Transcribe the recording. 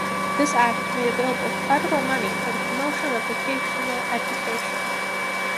This act made available federal money for the promotion of vocational education.